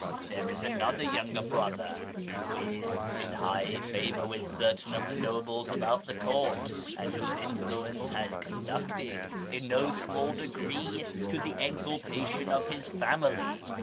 There is another younger brother, who is in high favour with certain of the nobles about the court, and whose influence has conduced in no small degree to the exaltation of his family."